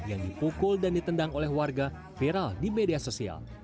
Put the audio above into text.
yang dipukul dan ditendang oleh warga viral di media sosial